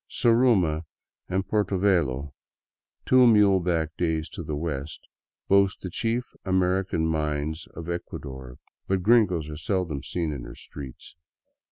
Zaruma and Portovelo, two muleback days to the west, boast the chief Ameri can mines of Ecuador, but gringos are seldom seen in her streets.